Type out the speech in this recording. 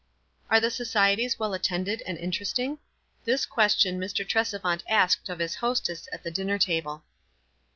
" Ake the societies well attended and inter esting?" This question Mr. Tresevant asked of his hostess at the dinner table.